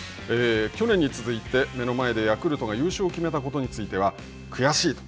去年に続いて目の前でヤクルトが優勝を決めたことについては、悔しいと。